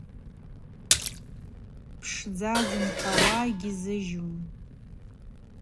Пшдза зымхӏвауа угьизыжьум.